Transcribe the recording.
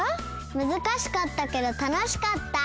むずかしかったけどたのしかった。